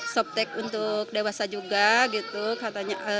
soptek untuk dewasa juga gitu katanya